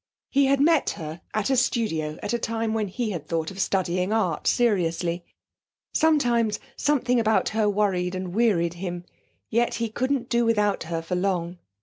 He had met her at a studio at a time when he had thought of studying art seriously. Sometimes, something about her worried and wearied him, yet he couldn't do without her for long.